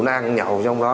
nàng nhậu trong đó